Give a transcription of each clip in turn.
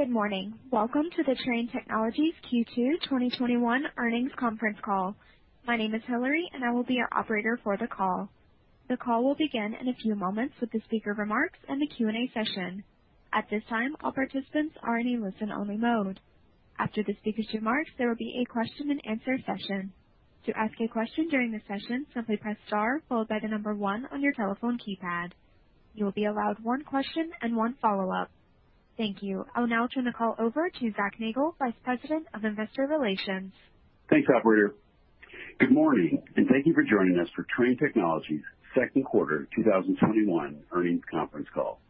Good morning. Welcome to the Trane Technologies Q2 2021 earnings conference call. My name is Hillary, and I will be your operator for the call. The call will begin in a few moments with the speaker remarks and the Q&A session. At this time, all participants are in a listen-only mode. After the speaker's remarks, there will be a question-and-answer session. To ask a question during the session, simply press star followed by the number one on your telephone keypad. You will be allowed one question and one follow-up. Thank you. I'll now turn the call over to Zac Nagle, Vice President of Investor Relations. Thanks, operator. Good morning, and thank you for joining us for Trane Technologies second quarter 2021 earnings conference call.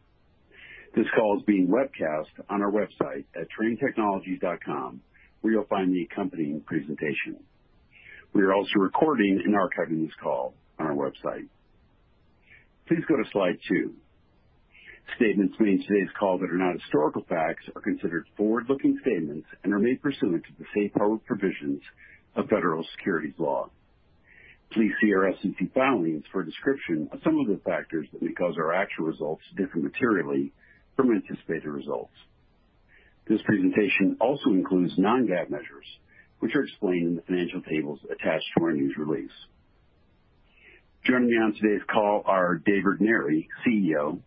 This call is being webcast on our website at tranetechnologies.com, where you'll find the accompanying presentation. We are also recording and archiving this call on our website. Please go to slide two. Statements made in today's call that are not historical facts are considered forward-looking statements and are made pursuant to the safe harbor provisions of federal securities law. Please see our SEC filings for a description of some of the factors that may cause our actual results to differ materially from anticipated results. This presentation also includes non-GAAP measures, which are explained in the financial tables attached to our news release. Joining me on today's call are Dave Regnery, CEO,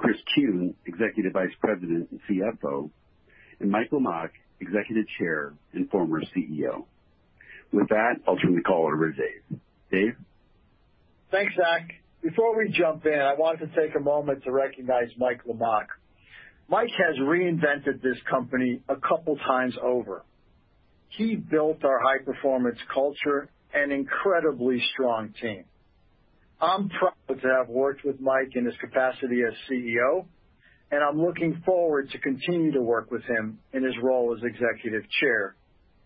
Chris Kuehn, Executive Vice President and CFO, and Mike Lamach, Executive Chair and former CEO. With that, I'll turn the call over to Dave. Dave? Thanks, Zac. Before we jump in, I wanted to take a moment to recognize Mike Lamach. Mike has reinvented this company a couple times over. He built our high-performance culture and incredibly strong team. I'm proud to have worked with Mike in his capacity as CEO, and I'm looking forward to continue to work with him in his role as Executive Chair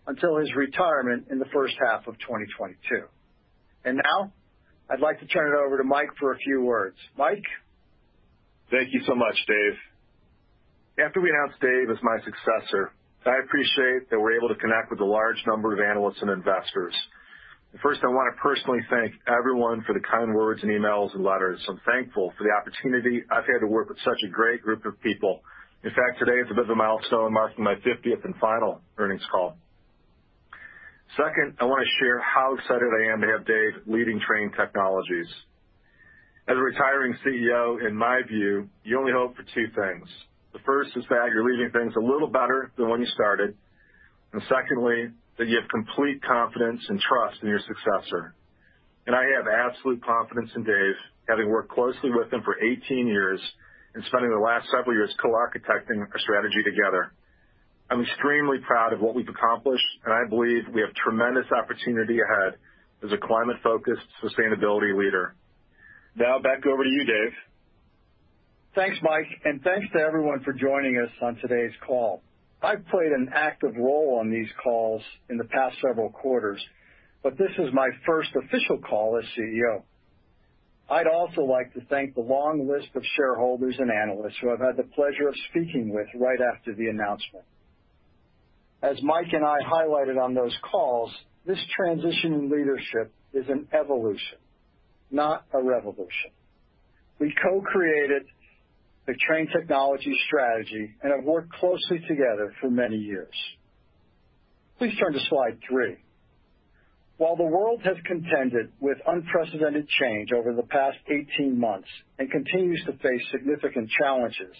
until his retirement in the first half of 2022. Now, I'd like to turn it over to Mike for a few words. Mike? Thank you so much, Dave. After we announced Dave as my successor, I appreciate that we're able to connect with a large number of analysts and investors. First, I want to personally thank everyone for the kind words and emails and letters. I'm thankful for the opportunity I've had to work with such a great group of people. In fact, today is a bit of a milestone, marking my 50th and final earnings call. Second, I want to share how excited I am to have Dave leading Trane Technologies. As a retiring CEO, in my view, you only hope for two things. The first is that you're leaving things a little better than when you started, and secondly, that you have complete confidence and trust in your successor. I have absolute confidence in Dave, having worked closely with him for 18 years and spending the last several years co-architecting our strategy together. I'm extremely proud of what we've accomplished, and I believe we have tremendous opportunity ahead as a climate-focused sustainability leader. Now back over to you, Dave. Thanks, Mike, and thanks to everyone for joining us on today's call. I've played an active role on these calls in the past several quarters, but this is my first official call as CEO. I'd also like to thank the long list of shareholders and analysts who I've had the pleasure of speaking with right after the announcement. As Mike and I highlighted on those calls, this transition in leadership is an evolution, not a revolution. We co-created the Trane Technologies strategy and have worked closely together for many years. Please turn to slide three. While the world has contended with unprecedented change over the past 18 months and continues to face significant challenges,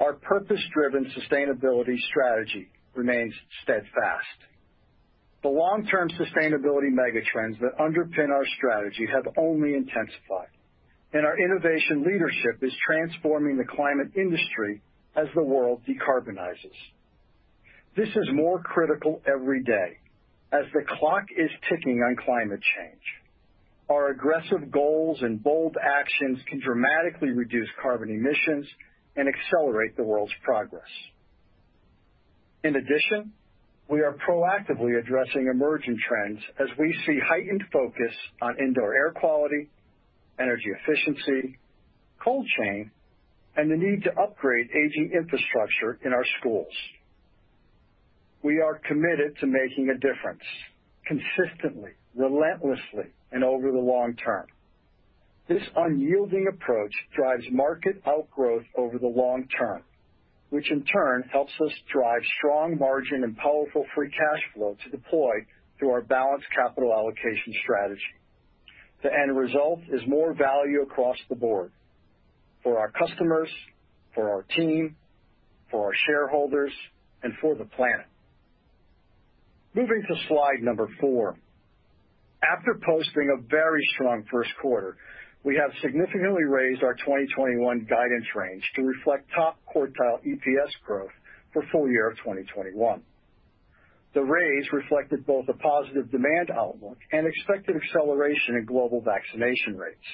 our purpose-driven sustainability strategy remains steadfast. The long-term sustainability mega trends that underpin our strategy have only intensified, and our innovation leadership is transforming the climate industry as the world decarbonizes. This is more critical every day as the clock is ticking on climate change. Our aggressive goals and bold actions can dramatically reduce carbon emissions and accelerate the world's progress. In addition, we are proactively addressing emerging trends as we see heightened focus on indoor air quality, energy efficiency, cold chain, and the need to upgrade aging infrastructure in our schools. We are committed to making a difference consistently, relentlessly, and over the long term. This unyielding approach drives market outgrowth over the long term, which in turn helps us drive strong margin and powerful free cash flow to deploy through our balanced capital allocation strategy. The end result is more value across the board for our customers, for our team, for our shareholders, and for the planet. Moving to slide number four. After posting a very strong first quarter, we have significantly raised our 2021 guidance range to reflect top quartile EPS growth for full year 2021. The raise reflected both a positive demand outlook and expected acceleration in global vaccination rates.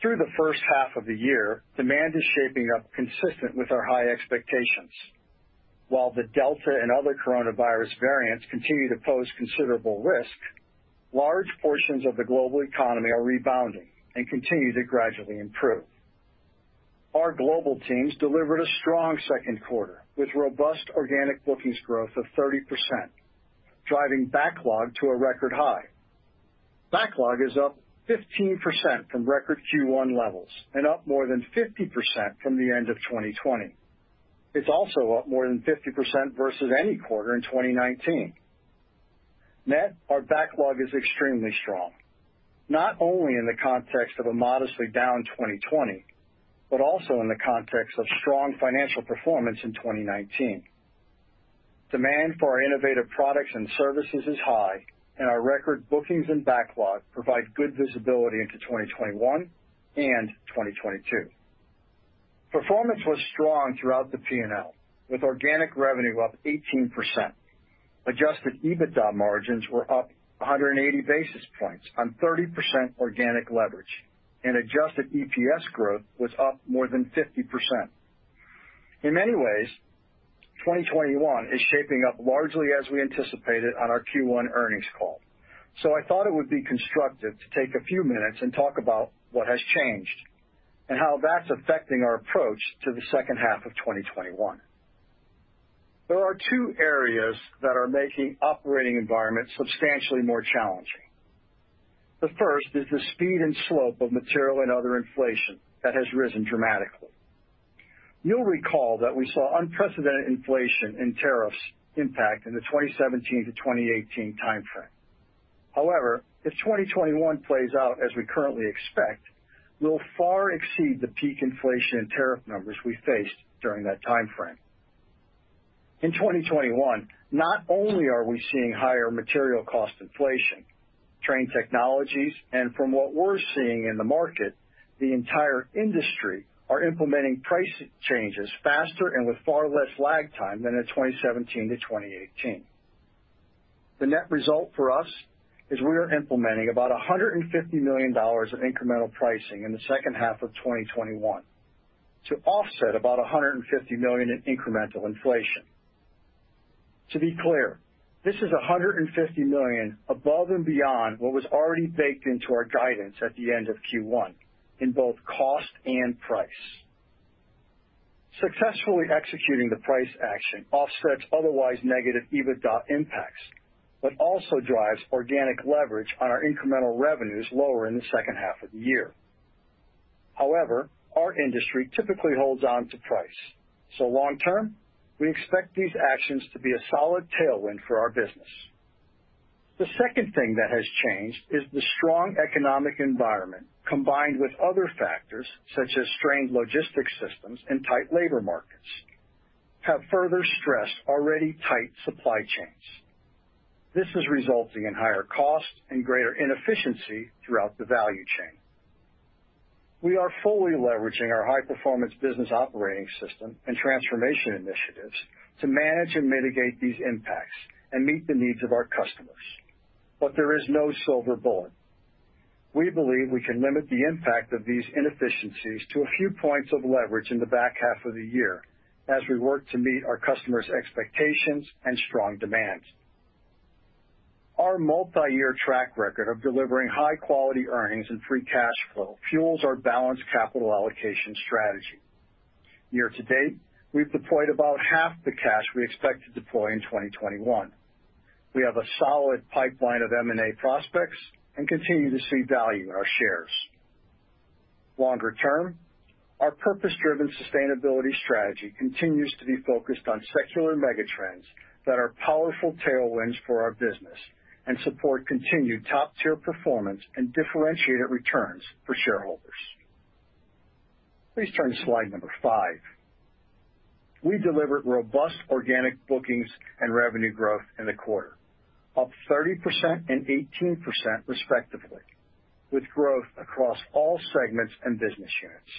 Through the first half of the year, demand is shaping up consistent with our high expectations. While the Delta and other coronavirus variants continue to pose considerable risk, large portions of the global economy are rebounding and continue to gradually improve. Our global teams delivered a strong second quarter with robust organic bookings growth of 30%, driving backlog to a record high. Backlog is up 15% from record Q1 levels and up more than 50% from the end of 2020. It is also up more than 50% versus any quarter in 2019. Net, our backlog is extremely strong, not only in the context of a modestly down 2020, but also in the context of strong financial performance in 2019. Demand for our innovative products and services is high, and our record bookings and backlog provide good visibility into 2021 and 2022. Performance was strong throughout the P&L, with organic revenue up 18%. Adjusted EBITDA margins were up 180 basis points on 30% organic leverage, and adjusted EPS growth was up more than 50%. In many ways, 2021 is shaping up largely as we anticipated on our Q1 earnings call. I thought it would be constructive to take a few minutes and talk about what has changed and how that's affecting our approach to the second half of 2021. There are two areas that are making operating environments substantially more challenging. The first is the speed and slope of material and other inflation that has risen dramatically. You'll recall that we saw unprecedented inflation and tariffs impact in the 2017 to 2018 timeframe. However, if 2021 plays out as we currently expect, we'll far exceed the peak inflation and tariff numbers we faced during that timeframe. In 2021, not only are we seeing higher material cost inflation, Trane Technologies, and from what we're seeing in the market, the entire industry are implementing price changes faster and with far less lag time than in 2017 to 2018. The net result for us is we are implementing about $150 million of incremental pricing in the second half of 2021 to offset about $150 million in incremental inflation. To be clear, this is $150 million above and beyond what was already baked into our guidance at the end of Q1, in both cost and price. Successfully executing the price action offsets otherwise negative EBITDA impacts, but also drives organic leverage on our incremental revenues lower in the second half of the year. Our industry typically holds on to price. Long term, we expect these actions to be a solid tailwind for our business. The second thing that has changed is the strong economic environment, combined with other factors such as strained logistics systems and tight labor markets, have further stressed already tight supply chains. This is resulting in higher costs and greater inefficiency throughout the value chain. We are fully leveraging our high-performance business operating system and transformation initiatives to manage and mitigate these impacts and meet the needs of our customers, but there is no silver bullet. We believe we can limit the impact of these inefficiencies to a few points of leverage in the back half of the year as we work to meet our customers' expectations and strong demands. Our multi-year track record of delivering high-quality earnings and free cash flow fuels our balanced capital allocation strategy. Year to date, we've deployed about half the cash we expect to deploy in 2021. We have a solid pipeline of M&A prospects and continue to see value in our shares. Longer term, our purpose-driven sustainability strategy continues to be focused on secular mega trends that are powerful tailwinds for our business and support continued top-tier performance and differentiated returns for shareholders. Please turn to slide number five. We delivered robust organic bookings and revenue growth in the quarter, up 30% and 18% respectively, with growth across all segments and business units.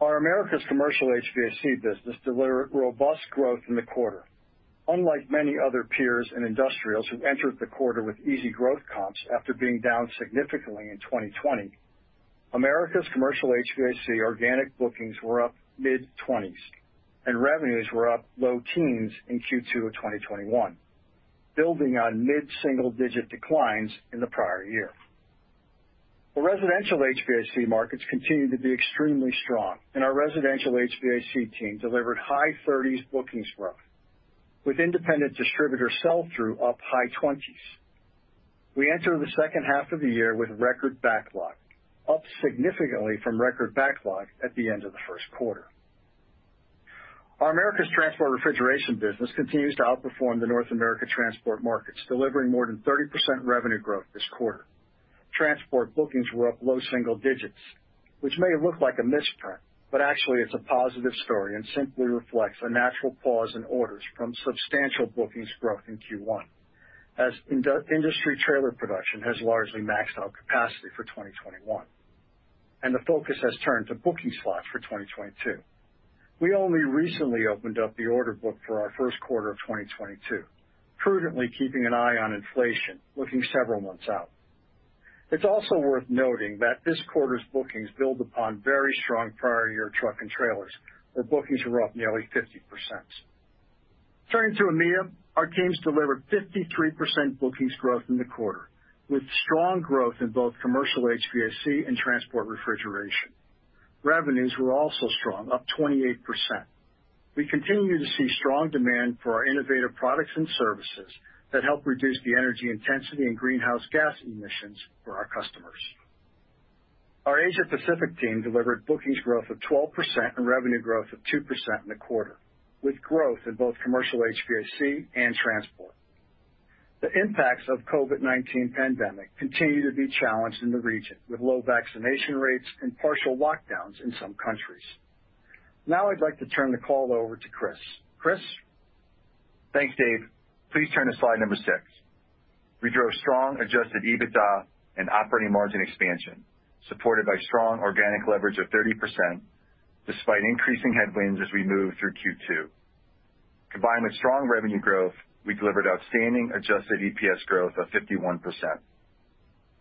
Our Americas Commercial HVAC business delivered robust growth in the quarter. Unlike many other peers and industrials who entered the quarter with easy growth comps after being down significantly in 2020, Americas Commercial HVAC organic bookings were up mid-20s, and revenues were up low teens in Q2 of 2021, building on mid-single-digit declines in the prior year. The residential HVAC markets continue to be extremely strong, and our residential HVAC team delivered high 30s bookings growth, with independent distributor sell-through up high 20s. We enter the second half of the year with record backlog, up significantly from record backlog at the end of the first quarter. Our Americas Transport Refrigeration business continues to outperform the North America transport markets, delivering more than 30% revenue growth this quarter. Transport bookings were up low single digits, which may look like a misprint, actually it's a positive story and simply reflects a natural pause in orders from substantial bookings growth in Q1, as industry trailer production has largely maxed out capacity for 2021, and the focus has turned to booking slots for 2022. We only recently opened up the order book for our first quarter of 2022, prudently keeping an eye on inflation, looking several months out. It's also worth noting that this quarter's bookings build upon very strong prior year truck and trailers, where bookings were up nearly 50%. Turning to EMEA, our teams delivered 53% bookings growth in the quarter, with strong growth in both commercial HVAC and transport refrigeration. Revenues were also strong, up 28%. We continue to see strong demand for our innovative products and services that help reduce the energy intensity and greenhouse gas emissions for our customers. Our Asia Pacific team delivered bookings growth of 12% and revenue growth of 2% in the quarter, with growth in both commercial HVAC and transport. The impacts of COVID-19 pandemic continue to be challenged in the region, with low vaccination rates and partial lockdowns in some countries. Now I'd like to turn the call over to Chris. Chris? Thanks, Dave. Please turn to slide number six. We drove strong adjusted EBITDA and operating margin expansion, supported by strong organic leverage of 30%, despite increasing headwinds as we move through Q2. Combined with strong revenue growth, we delivered outstanding adjusted EPS growth of 51%.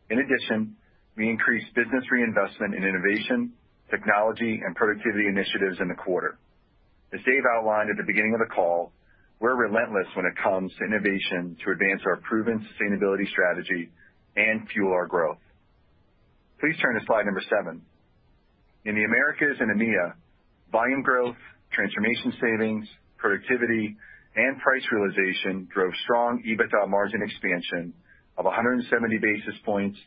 In addition, we increased business reinvestment in innovation, technology, and productivity initiatives in the quarter. As Dave outlined at the beginning of the call, we're relentless when it comes to innovation to advance our proven sustainability strategy and fuel our growth. Please turn to slide number seven. In the Americas and EMEA, volume growth, transformation savings, productivity, and price realization drove strong EBITDA margin expansion of 170 basis points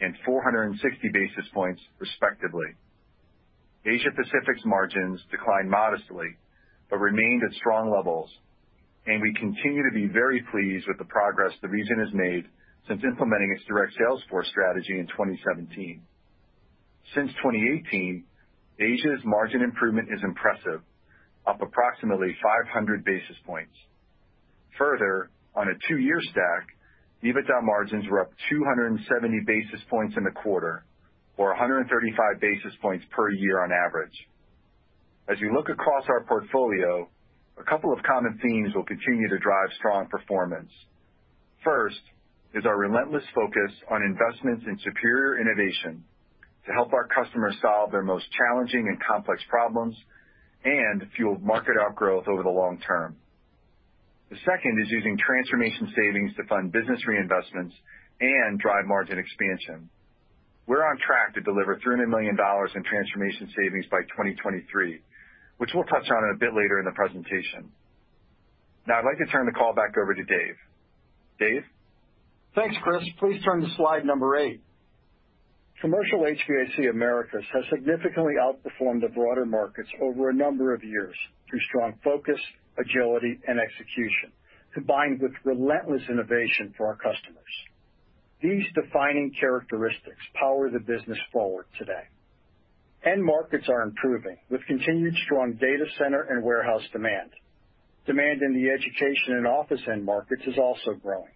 and 460 basis points, respectively. Asia Pacific's margins declined modestly, but remained at strong levels, and we continue to be very pleased with the progress the region has made since implementing its direct salesforce strategy in 2017. Since 2018, Asia's margin improvement is impressive, up approximately 500 basis points. On a two-year stack, EBITDA margins were up 270 basis points in the quarter or 135 basis points per year on average. As you look across our portfolio, a couple of common themes will continue to drive strong performance. First is our relentless focus on investments in superior innovation to help our customers solve their most challenging and complex problems and fuel market outgrowth over the long term. The second is using transformation savings to fund business reinvestments and drive margin expansion. We're on track to deliver $300 million in transformation savings by 2023, which we'll touch on a bit later in the presentation. Now I'd like to turn the call back over to Dave. Dave? Thanks, Chris. Please turn to slide number eight. Commercial HVAC Americas has significantly outperformed the broader markets over a number of years through strong focus, agility, and execution, combined with relentless innovation for our customers. These defining characteristics power the business forward today. End markets are improving, with continued strong data center and warehouse demand. Demand in the education and office end markets is also growing.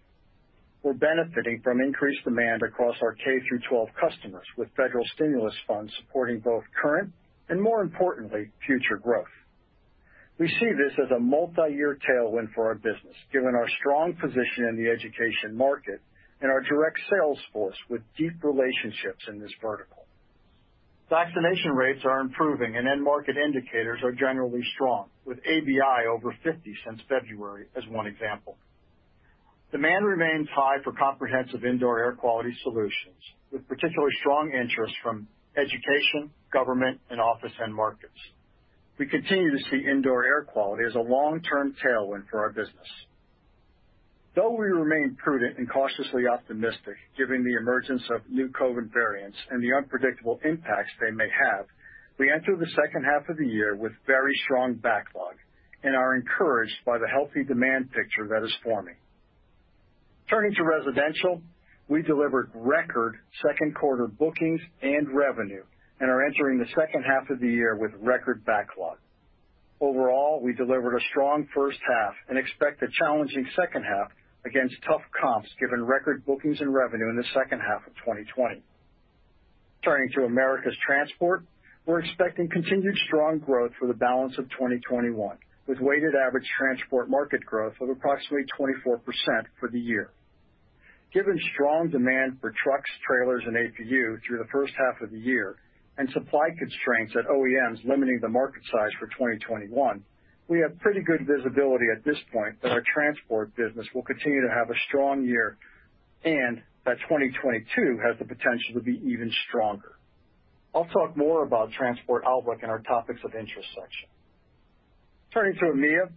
We're benefiting from increased demand across our K-12 customers, with federal stimulus funds supporting both current and, more importantly, future growth. We see this as a multi-year tailwind for our business, given our strong position in the education market and our direct sales force with deep relationships in this vertical. Vaccination rates are improving, end market indicators are generally strong, with ABI over 50 since February as one example. Demand remains high for comprehensive indoor air quality solutions, with particularly strong interest from education, government, and office end markets. We continue to see indoor air quality as a long-term tailwind for our business. Though we remain prudent and cautiously optimistic given the emergence of new COVID variants and the unpredictable impacts they may have, we enter the second half of the year with very strong backlog and are encouraged by the healthy demand picture that is forming. Turning to residential, we delivered record second quarter bookings and revenue and are entering the second half of the year with record backlog. Overall, we delivered a strong first half and expect a challenging second half against tough comps, given record bookings and revenue in the second half of 2020. Turning to Americas Transport, we're expecting continued strong growth for the balance of 2021, with weighted average transport market growth of approximately 24% for the year. Given strong demand for trucks, trailers, and APU through the first half of the year and supply constraints at OEMs limiting the market size for 2021, we have pretty good visibility at this point that our transport business will continue to have a strong year, and that 2022 has the potential to be even stronger. I'll talk more about transport outlook in our topics of interest section. Turning to EMEA,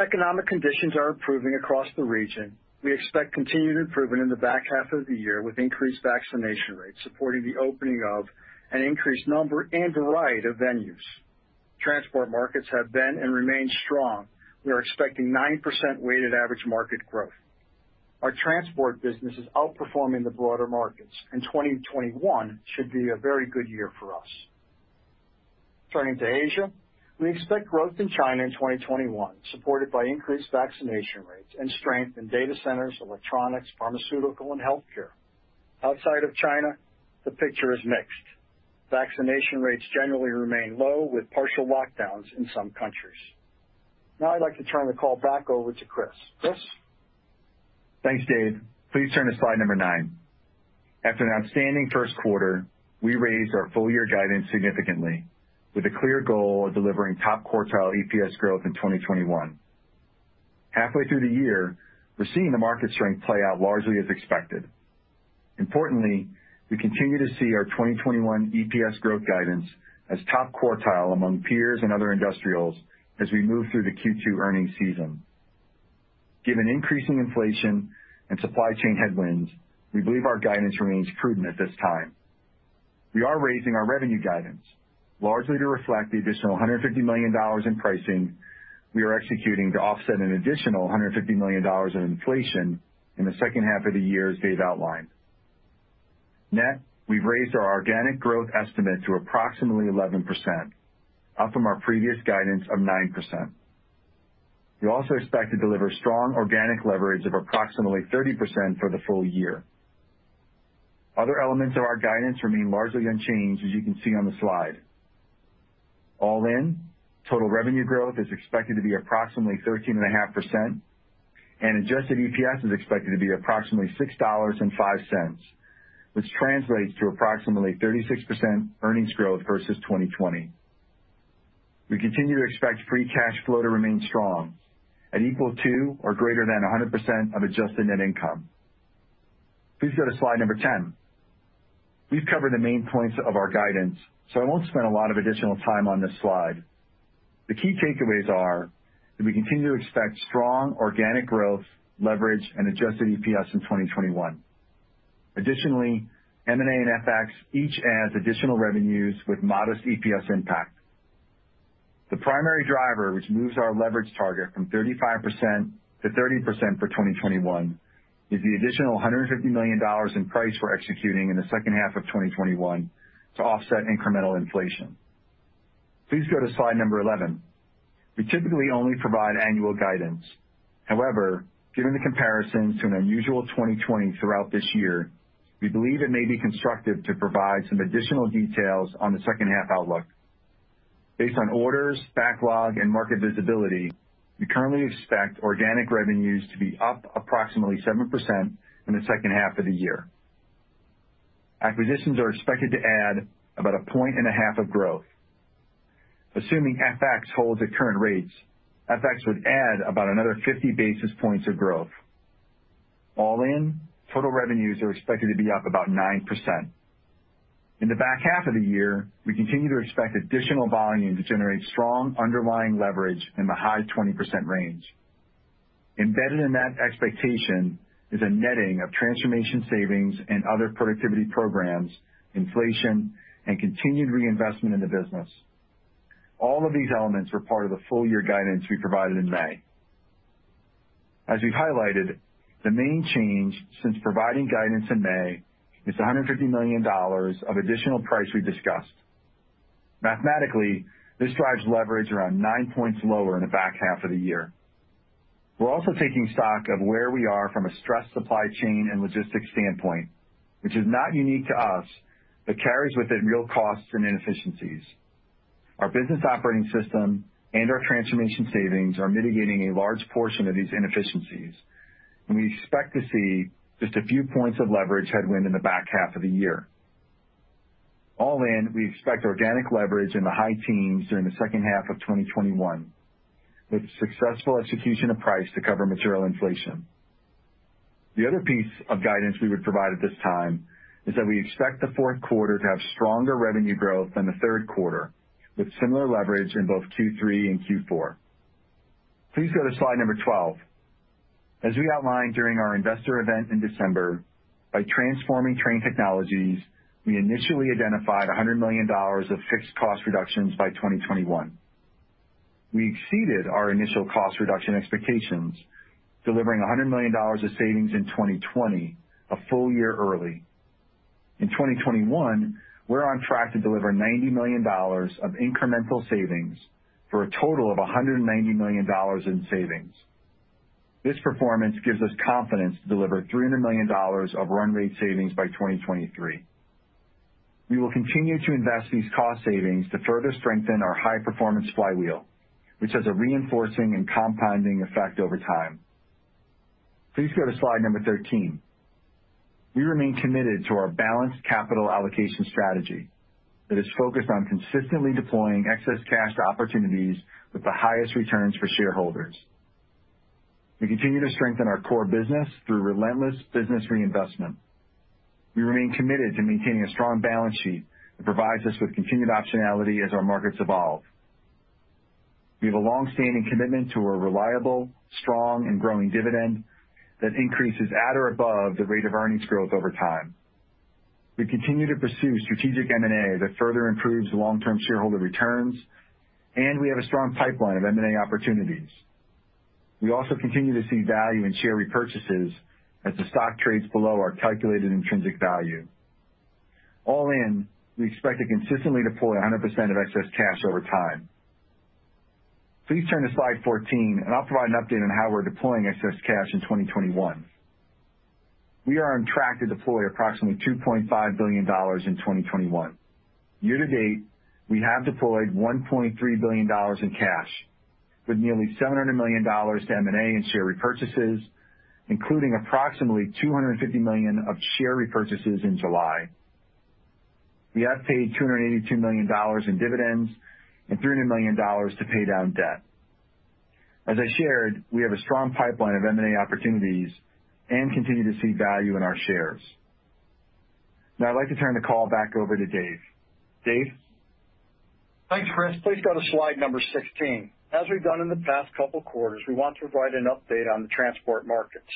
economic conditions are improving across the region. We expect continued improvement in the back half of the year with increased vaccination rates supporting the opening of an increased number and variety of venues. Transport markets have been and remain strong. We are expecting 9% weighted average market growth. Our transport business is outperforming the broader markets, and 2021 should be a very good year for us. Turning to Asia, we expect growth in China in 2021, supported by increased vaccination rates and strength in data centers, electronics, pharmaceutical, and healthcare. Outside of China, the picture is mixed. Vaccination rates generally remain low, with partial lockdowns in some countries. Now I'd like to turn the call back over to Chris. Chris? Thanks, Dave. Please turn to slide number nine. After an outstanding first quarter, we raised our full year guidance significantly with a clear goal of delivering top quartile EPS growth in 2021. Halfway through the year, we're seeing the market strength play out largely as expected. Importantly, we continue to see our 2021 EPS growth guidance as top quartile among peers and other industrials as we move through the Q2 earnings season. Given increasing inflation and supply chain headwinds, we believe our guidance remains prudent at this time. We are raising our revenue guidance largely to reflect the additional $150 million in pricing we are executing to offset an additional $150 million in inflation in the second half of the year as Dave outlined. Net, we've raised our organic growth estimate to approximately 11%, up from our previous guidance of 9%. We also expect to deliver strong organic leverage of approximately 30% for the full year. Other elements of our guidance remain largely unchanged, as you can see on the slide. All in, total revenue growth is expected to be approximately 13.5%, and adjusted EPS is expected to be approximately $6.05, which translates to approximately 36% earnings growth versus 2020. We continue to expect free cash flow to remain strong at equal to or greater than 100% of adjusted net income. Please go to slide number 10. We've covered the main points of our guidance, so I won't spend a lot of additional time on this slide. The key takeaways are that we continue to expect strong organic growth, leverage, and adjusted EPS in 2021. Additionally, M&A and FX each adds additional revenues with modest EPS impact. The primary driver which moves our leverage target from 35% to 30% for 2021 is the additional $150 million in price we're executing in the second half of 2021 to offset incremental inflation. Please go to slide number 11. We typically only provide annual guidance. However, given the comparisons to an unusual 2020 throughout this year, we believe it may be constructive to provide some additional details on the second half outlook. Based on orders, backlog, and market visibility, we currently expect organic revenues to be up approximately 7% in the second half of the year. Acquisitions are expected to add about 1.5 points of growth. Assuming FX holds at current rates, FX would add about another 50 basis points of growth. All in, total revenues are expected to be up about 9%. In the back half of the year, we continue to expect additional volume to generate strong underlying leverage in the high 20% range. Embedded in that expectation is a netting of transformation savings and other productivity programs, inflation, and continued reinvestment in the business. All of these elements were part of the full year guidance we provided in May. As we've highlighted, the main change since providing guidance in May is the $150 million of additional price we discussed. Mathematically, this drives leverage around 9 points lower in the back half of the year. We're also taking stock of where we are from a stressed supply chain and logistics standpoint, which is not unique to us, but carries with it real costs and inefficiencies. Our business operating system and our transformation savings are mitigating a large portion of these inefficiencies, and we expect to see just a few points of leverage headwind in the back half of the year. All in, we expect organic leverage in the high teens during the second half of 2021, with successful execution of price to cover material inflation. The other piece of guidance we would provide at this time is that we expect the fourth quarter to have stronger revenue growth than the third quarter, with similar leverage in both Q3 and Q4. Please go to slide number 12. As we outlined during our investor event in December, by transforming Trane Technologies, we initially identified $100 million of fixed cost reductions by 2021. We exceeded our initial cost reduction expectations, delivering $100 million of savings in 2020, a full year early. In 2021, we're on track to deliver $90 million of incremental savings for a total of $190 million in savings. This performance gives us confidence to deliver $300 million of run rate savings by 2023. We will continue to invest these cost savings to further strengthen our high performance flywheel, which has a reinforcing and compounding effect over time. Please go to slide number 13. We remain committed to our balanced capital allocation strategy that is focused on consistently deploying excess cash to opportunities with the highest returns for shareholders. We continue to strengthen our core business through relentless business reinvestment. We remain committed to maintaining a strong balance sheet that provides us with continued optionality as our markets evolve. We have a longstanding commitment to a reliable, strong, and growing dividend that increases at or above the rate of earnings growth over time. We continue to pursue strategic M&A that further improves long-term shareholder returns, and we have a strong pipeline of M&A opportunities. We also continue to see value in share repurchases as the stock trades below our calculated intrinsic value. All in, we expect to consistently deploy 100% of excess cash over time. Please turn to slide 14, and I'll provide an update on how we're deploying excess cash in 2021. We are on track to deploy approximately $2.5 billion in 2021. Year to date, we have deployed $1.3 billion in cash, with nearly $700 million to M&A and share repurchases, including approximately $250 million of share repurchases in July. We have paid $282 million in dividends and $300 million to pay down debt. As I shared, we have a strong pipeline of M&A opportunities and continue to see value in our shares. Now I'd like to turn the call back over to Dave. Dave? Thanks, Chris. Please go to slide number 16. As we've done in the past couple quarters, we want to provide an update on the transport markets.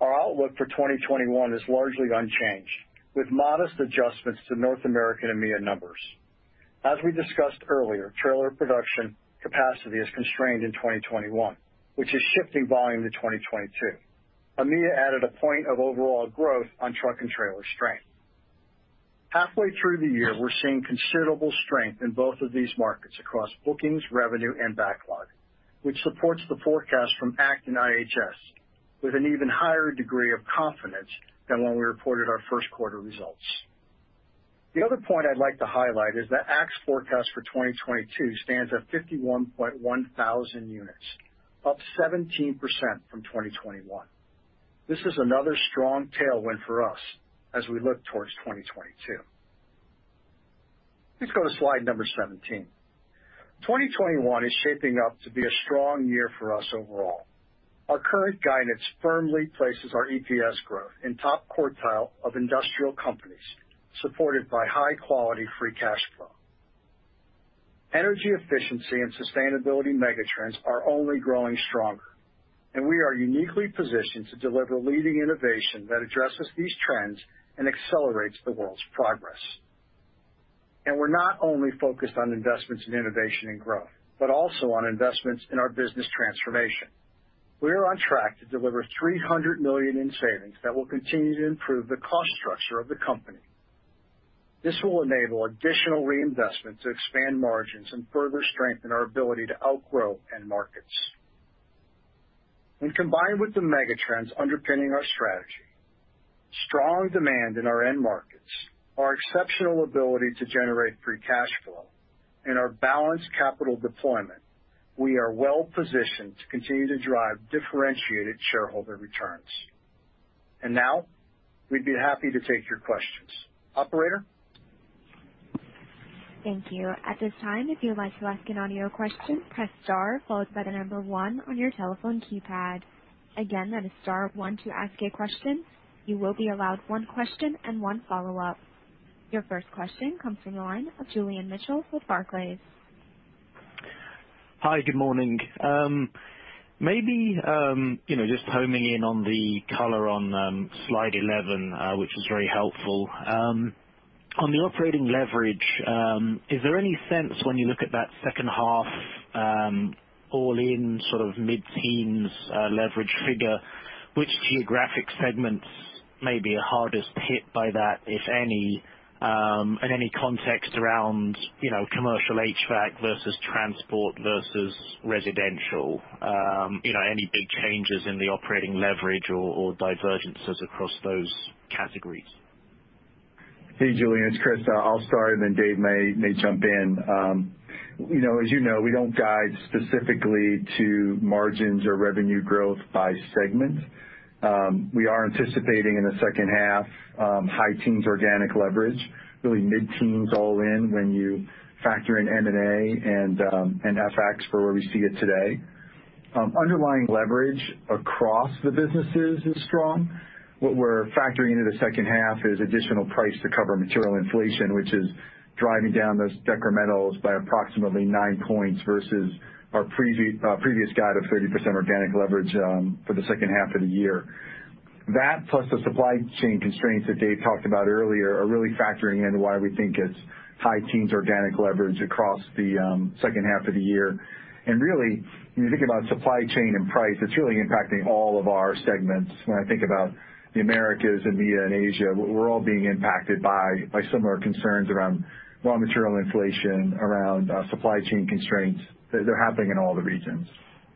Our outlook for 2021 is largely unchanged, with modest adjustments to North America and EMEA numbers. As we discussed earlier, trailer production capacity is constrained in 2021, which is shifting volume to 2022. EMEA added a point of overall growth on truck and trailer strength. Halfway through the year, we're seeing considerable strength in both of these markets across bookings, revenue and backlog, which supports the forecast from ACT and IHS with an even higher degree of confidence than when we reported our first quarter results. The other point I'd like to highlight is that ACT's forecast for 2022 stands at 51,100 units, up 17% from 2021. This is another strong tailwind for us as we look towards 2022. Please go to slide number 17. 2021 is shaping up to be a strong year for us overall. Our current guidance firmly places our EPS growth in top quartile of industrial companies, supported by high quality free cash flow. Energy efficiency and sustainability megatrends are only growing stronger. We are uniquely positioned to deliver leading innovation that addresses these trends and accelerates the world's progress. We're not only focused on investments in innovation and growth, but also on investments in our business transformation. We are on track to deliver $300 million in savings that will continue to improve the cost structure of the company. This will enable additional reinvestment to expand margins and further strengthen our ability to outgrow end markets. When combined with the megatrends underpinning our strategy, strong demand in our end markets, our exceptional ability to generate free cash flow, and our balanced capital deployment, we are well positioned to continue to drive differentiated shareholder returns. Now we'd be happy to take your questions. Operator? Thank you. At this time, if you would like to ask an audio question, press star followed by the one on your telephone keypad. Again, that is star one to ask a question. You will be allowed one question and one follow-up. Your first question comes from the line of Julian Mitchell with Barclays. Hi. Good morning. Maybe just homing in on the color on slide 11, which was very helpful. On the operating leverage, is there any sense when you look at that second half, all in mid-teens leverage figure, which geographic segments may be are hardest hit by that, if any, and any context around commercial HVAC versus transport versus residential? Any big changes in the operating leverage or divergences across those categories? Hey, Julian, it's Chris. I'll start and then Dave may jump in. You know, we don't guide specifically to margins or revenue growth by segment. We are anticipating in the second half high teens organic leverage, really mid-teens all in when you factor in M&A and FX for where we see it today. Underlying leverage across the businesses is strong. What we're factoring into the second half is additional price to cover material inflation, which is driving down those decrementals by approximately 9 points versus our previous guide of 30% organic leverage for the second half of the year. That, plus the supply chain constraints that Dave talked about earlier, are really factoring into why we think it's high teens organic leverage across the second half of the year. Really, when you think about supply chain and price, it's really impacting all of our segments. When I think about the Americas, EMEA, and Asia, we're all being impacted by similar concerns around raw material inflation, around supply chain constraints. They're happening in all the regions.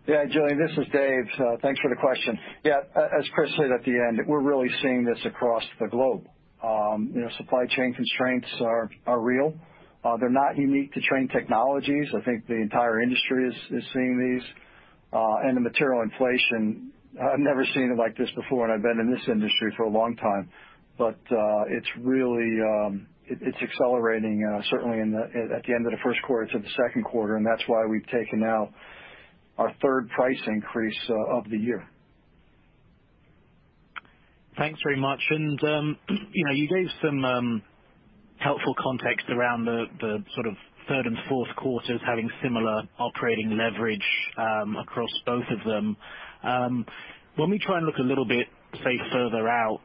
Julian, this is Dave. Thanks for the question. As Chris said at the end, we're really seeing this across the globe. Supply chain constraints are real. They're not unique to Trane Technologies. I think the entire industry is seeing these. The material inflation, I've never seen it like this before, and I've been in this industry for a long time. It's accelerating, certainly at the end of the first quarter to the second quarter, and that's why we've taken now our third price increase of the year. Thanks very much. You gave some helpful context around the third and fourth quarters having similar operating leverage across both of them. When we try and look a little bit, say, further out,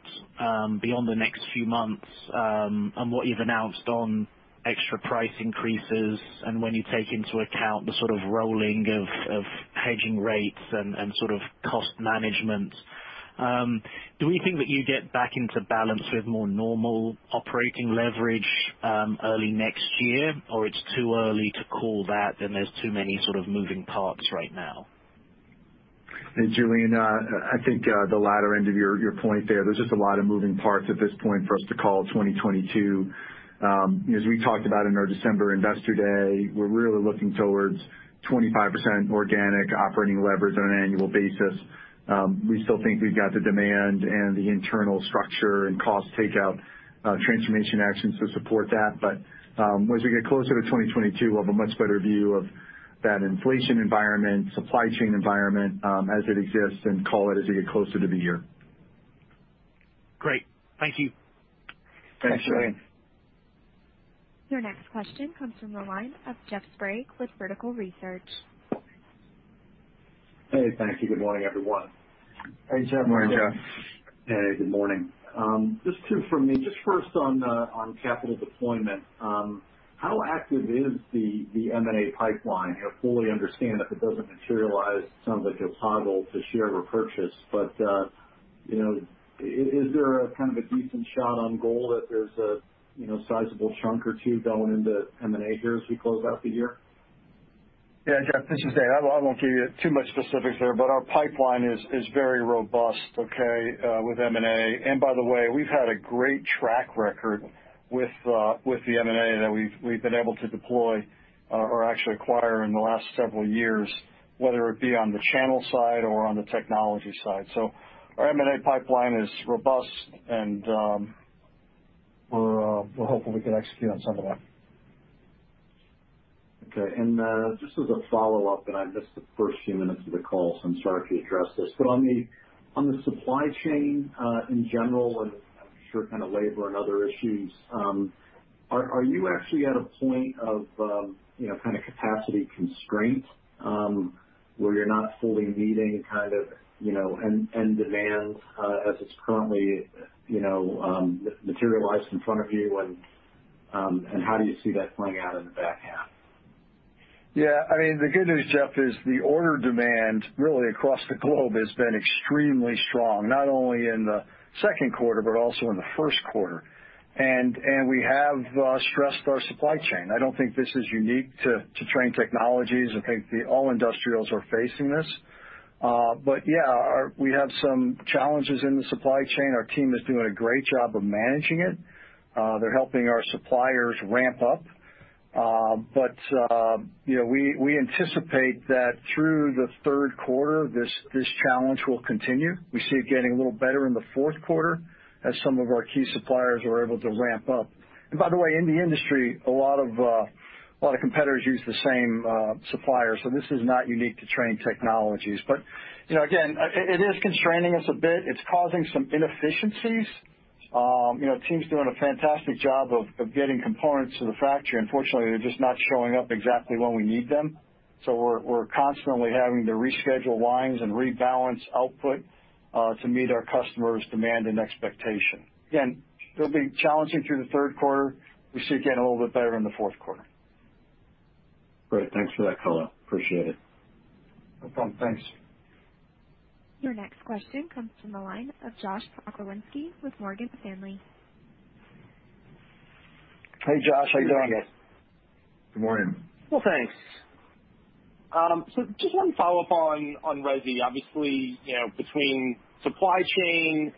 beyond the next few months, on what you've announced on extra price increases and when you take into account the rolling of hedging rates and cost management, do we think that you get back into balance with more normal operating leverage early next year, or it's too early to call that and there's too many moving parts right now? Julian, I think the latter end of your point there's just a lot of moving parts at this point for us to call 2022. As we talked about in our December Investor Day, we're really looking towards 25% organic operating leverage on an annual basis. We still think we've got the demand and the internal structure and cost takeout transformation actions to support that. As we get closer to 2022, we'll have a much better view of that inflation environment, supply chain environment, as it exists, and call it as we get closer to the year. Great. Thank you. Thanks, Julian. Your next question comes from the line of Jeff Sprague with Vertical Research. Hey, thank you. Good morning, everyone. Hey, Jeff. Morning, Jeff. Hey, good morning. Just two from me. Just first on capital deployment. How active is the M&A pipeline? I fully understand if it doesn't materialize, it sounds like a toggle to share or purchase. Is there a kind of a decent shot on goal that there's a sizable chunk or two going into M&A here as we close out the year? Yeah, Jeff, as you say, I won't give you too much specifics there, but our pipeline is very robust, okay, with M&A. By the way, we've had a great track record with the M&A that we've been able to deploy or actually acquire in the last several years, whether it be on the channel side or on the technology side. Our M&A pipeline is robust and we're hopeful we can execute on some of that. Okay. Just as a follow-up, and I missed the first few minutes of the call, so I'm sorry if you addressed this, but on the supply chain, in general, and I'm sure labor and other issues, are you actually at a point of capacity constraint, where you're not fully meeting end demands, as it's currently materialized in front of you and, how do you see that playing out in the back half? Yeah, the good news, Jeff, is the order demand really across the globe has been extremely strong, not only in the second quarter, but also in the first quarter. We have stressed our supply chain. I don't think this is unique to Trane Technologies. I think all industrials are facing this. Yeah, we have some challenges in the supply chain. Our team is doing a great job of managing it. They're helping our suppliers ramp up. We anticipate that through the third quarter, this challenge will continue. We see it getting a little better in the fourth quarter as some of our key suppliers are able to ramp up. By the way, in the industry, a lot of competitors use the same suppliers. This is not unique to Trane Technologies. Again, it is constraining us a bit. It's causing some inefficiencies. Team's doing a fantastic job of getting components to the factory. Unfortunately, they're just not showing up exactly when we need them. We're constantly having to reschedule lines and rebalance output, to meet our customers' demand and expectation. Again, it'll be challenging through the third quarter. We see it getting a little bit better in the fourth quarter. Great. Thanks for that color. Appreciate it. No problem. Thanks. Your next question comes from the line of Josh Pokrzywinski with Morgan Stanley. Hey, Josh, how you doing? Good morning, guys. Good morning. Well, thanks. Just one follow-up on resi. Obviously, between supply chain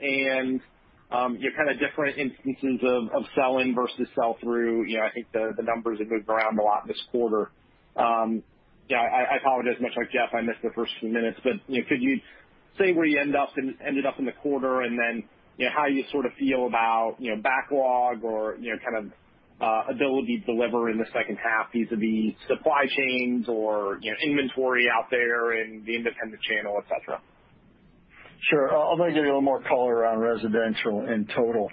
and your kind of different instances of sell-in versus sell-through, I think the numbers have moved around a lot this quarter. I apologize, much like Jeff, I missed the first few minutes, could you say where you ended up in the quarter and then, how you sort of feel about backlog or ability to deliver in the second half vis-à-vis supply chains or inventory out there in the independent channel, et cetera? Sure. I'm going to give you a little more color around residential in total.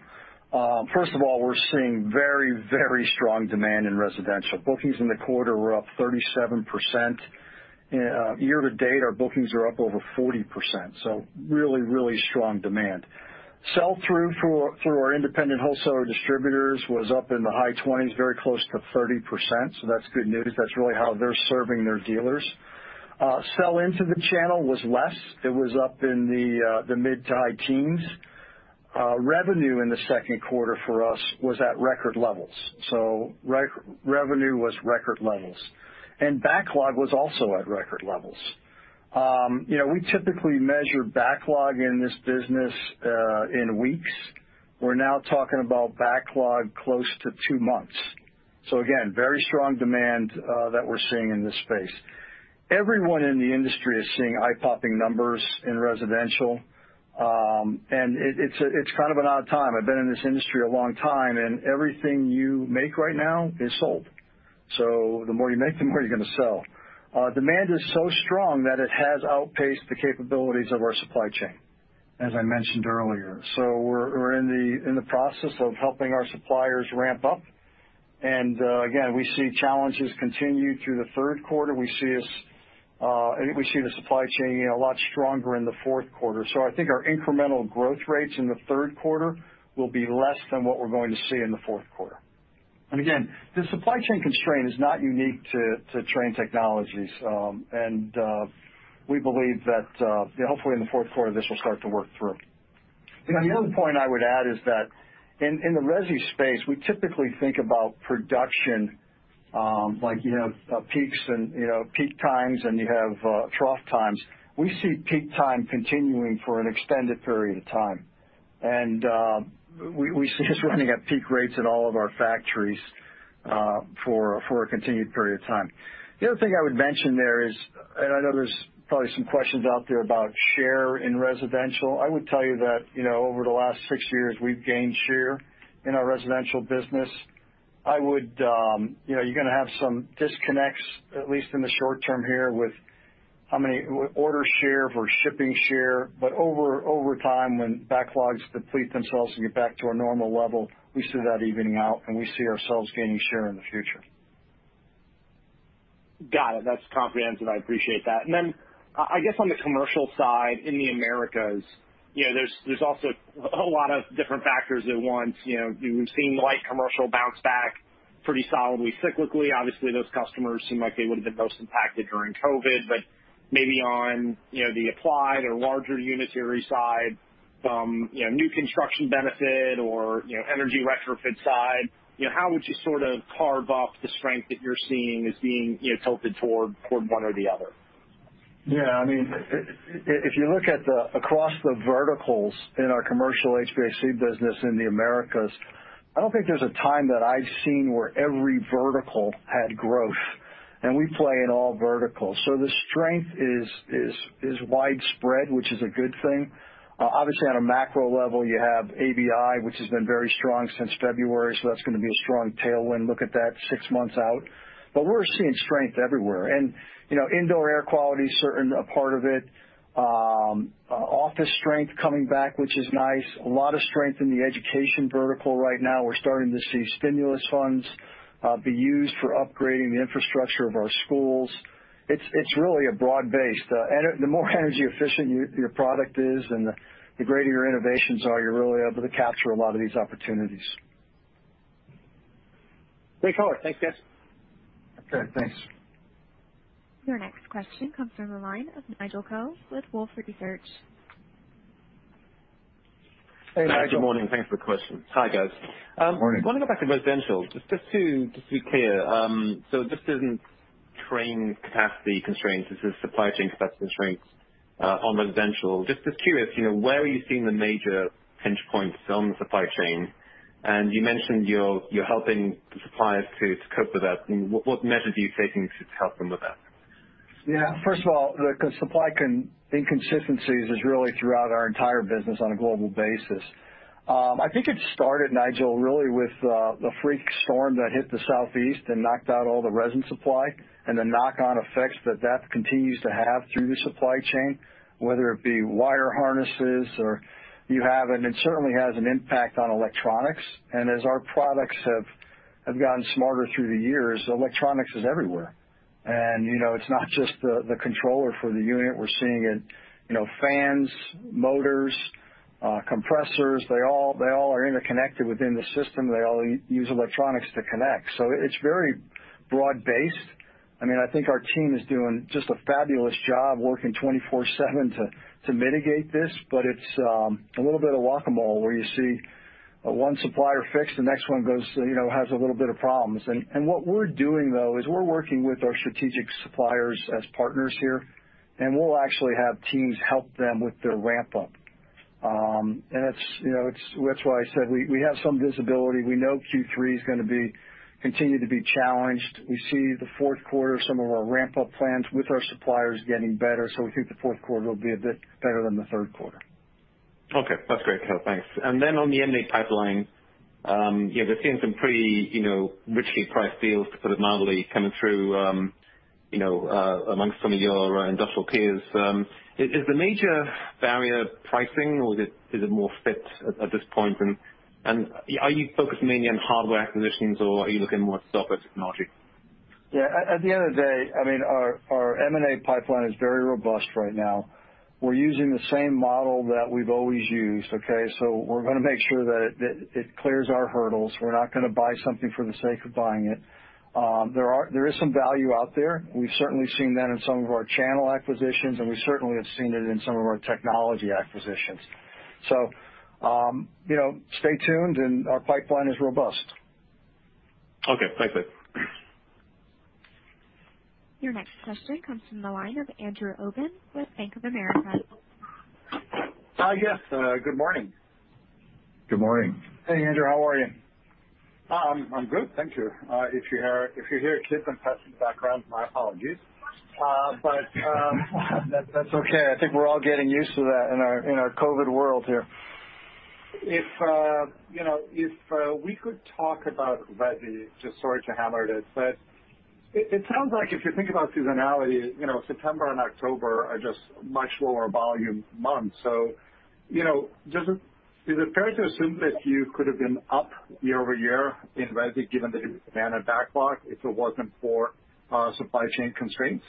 First of all, we're seeing very, very strong demand in residential. Bookings in the quarter were up 37%. Year to date, our bookings are up over 40%. Really, really strong demand. Sell-through for our independent wholesaler distributors was up in the high 20s, very close to 30%. That's good news. That's really how they're serving their dealers. Sell-in to the channel was less. It was up in the mid to high teens. Revenue in the second quarter for us was at record levels. Revenue was record levels. Backlog was also at record levels. We typically measure backlog in this business, in weeks. We're now talking about backlog close to two months. Again, very strong demand that we're seeing in this space. Everyone in the industry is seeing eye-popping numbers in residential. It's kind of an odd time. I've been in this industry a long time, and everything you make right now is sold. The more you make, the more you're going to sell. Demand is so strong that it has outpaced the capabilities of our supply chain, as I mentioned earlier. We're in the process of helping our suppliers ramp up. Again, we see challenges continue through the third quarter. We see the supply chain a lot stronger in the fourth quarter. I think our incremental growth rates in the third quarter will be less than what we're going to see in the fourth quarter. Again, the supply chain constraint is not unique to Trane Technologies. We believe that, hopefully in the fourth quarter, this will start to work through. The other point I would add is that in the resi space, we typically think about production like peaks and peak times, and you have trough times. We see peak time continuing for an extended period of time. We see this running at peak rates at all of our factories for a continued period of time. The other thing I would mention there is, and I know there's probably some questions out there about share in residential. I would tell you that over the last six years, we've gained share in our residential business. You're going to have some disconnects, at least in the short term here, with how many order share versus shipping share. Over time, when backlogs deplete themselves and get back to a normal level, we see that evening out, and we see ourselves gaining share in the future. Got it. That's comprehensive. I appreciate that. I guess on the commercial side in the Americas, there's also a lot of different factors at once. We've seen light commercial bounce back pretty solidly cyclically. Obviously, those customers seem like they would have been most impacted during COVID, but maybe on the applied or larger unitary side, new construction benefit or energy retrofit side, how would you sort of carve up the strength that you're seeing as being tilted toward one or the other? Yeah. If you look at across the verticals in our commercial HVAC business in the Americas, I don't think there's a time that I've seen where every vertical had growth, and we play in all verticals. The strength is widespread, which is a good thing. Obviously, on a macro level, you have ABI, which has been very strong since February, so that's going to be a strong tailwind look at that six months out. We're seeing strength everywhere. Indoor air quality is certainly a part of it. Office strength coming back, which is nice. A lot of strength in the education vertical right now. We're starting to see stimulus funds be used for upgrading the infrastructure of our schools. It's really a broad base. The more energy efficient your product is and the greater your innovations are, you're really able to capture a lot of these opportunities. Great color. Thanks, guys. Okay, thanks. Your next question comes from the line of Nigel Coe with Wolfe Research. Hey, Nigel. Hi, good morning. Thanks for the questions. Hi, guys. Morning. Want to go back to residential, just to be clear. This isn't Trane capacity constraints, this is supply chain capacity constraints on residential. Just curious, where are you seeing the major pinch points on the supply chain? You mentioned you're helping the suppliers to cope with that. What measures are you taking to help them with that? First of all, the supply inconsistencies is really throughout our entire business on a global basis. I think it started, Nigel, really with the freak storm that hit the Southeast and knocked out all the resin supply, and the knock-on effects that continues to have through the supply chain, whether it be wire harnesses or you have, and it certainly has an impact on electronics. As our products have gotten smarter through the years, electronics is everywhere. It's not just the controller for the unit. We're seeing it, fans, motors, compressors. They all are interconnected within the system. They all use electronics to connect. It's very broad based. I think our team is doing just a fabulous job working 24/7 to mitigate this, but it's a little bit of whack-a-mole, where you see one supplier fixed, the next one has a little bit of problems. What we're doing, though, is we're working with our strategic suppliers as partners here, and we'll actually have teams help them with their ramp up. That's why I said we have some visibility. We know Q3 is going to continue to be challenged. We see the fourth quarter, some of our ramp up plans with our suppliers getting better. We think the fourth quarter will be a bit better than the third quarter. Okay. That's great, Dave. Thanks. On the M&A pipeline, we're seeing some pretty richly priced deals sort of mildly coming through amongst some of your industrial peers. Is the major barrier pricing, or is it more fit at this point, are you focused mainly on hardware acquisitions, or are you looking more at software technology? Yeah. At the end of the day, our M&A pipeline is very robust right now. We're using the same model that we've always used, okay? We're going to make sure that it clears our hurdles. We're not going to buy something for the sake of buying it. There is some value out there. We've certainly seen that in some of our channel acquisitions, and we certainly have seen it in some of our technology acquisitions. Stay tuned, and our pipeline is robust. Okay. Thanks. Your next question comes from the line of Andrew Obin with Bank of America. Hi, yes. Good morning. Good morning. Hey, Andrew. How are you? I'm good, thank you. If you hear kids and pets in the background, my apologies. That's okay. I think we're all getting used to that in our COVID world here. If we could talk about resi, just sorry to hammer it sounds like if you think about seasonality, September and October are just much lower volume months. Is it fair to assume that you could have been up year-over-year in resi given the demand and backlog if it wasn't for supply chain constraints?